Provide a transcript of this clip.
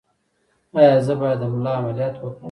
ایا زه باید د ملا عملیات وکړم؟